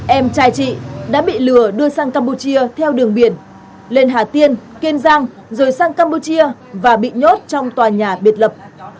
em trai chị đã bị lừa đưa sang campuchia theo đường biển lên hà tiên kiên giang rồi sang campuchia và bị nhốt trong tòa nhà biệt lập